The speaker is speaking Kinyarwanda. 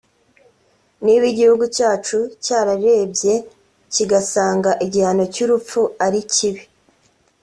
Niba igihugu cyacu cyarerebye kigasanga igihano cy’urupfu ari kibi